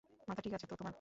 মাথা ঠিক আছে তো তোমার?